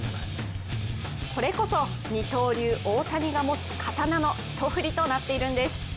これこそ、二刀流・大谷が持つ刀の一振りとなっているのです。